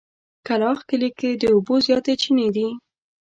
کلاخ کلي کې د اوبو زياتې چينې دي.